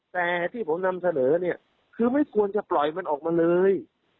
แต่ที่ผมนำเสนอเนี่ยคือไม่ควรจะปล่อยมันออกมาเลย